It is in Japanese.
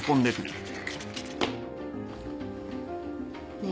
ねえ。